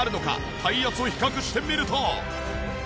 体圧を比較してみると。